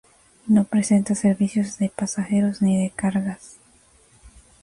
No presenta servicios de pasajeros ni de cargas.